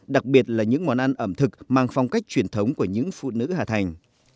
đặc biệt là những món ăn ẩm thực mang phong cách truyền thống của những phụ nữ hà thành